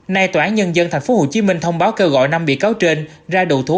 nay tòa án nhân dân tp hcm thông báo kêu gọi năm bị cáo trên ra đồ thú